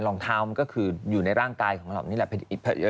รองเท้ามันก็คืออยู่ในร่างกายของเรานี่แหละ